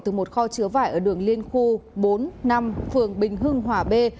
từ một kho chữa vải ở đường liên khu bốn năm phường bình hưng hòa bê